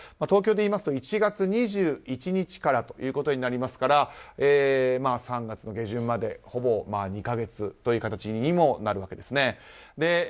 東京でいいますと１月２１日からということになりますから３月の下旬までほぼ２か月という形にもなるわけです。